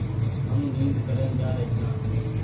هم نيد ڪرين جآري ڇآن ۔